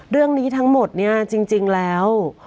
เรื่องนี้ทั้งหมดเนี่ยจริงแล้ว